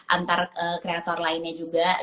antar kreator lainnya juga